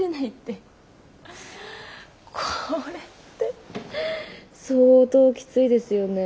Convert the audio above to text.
これって相当キツイですよね。